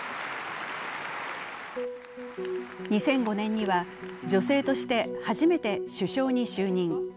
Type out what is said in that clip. ２００５年には女性として初めて首相に就任。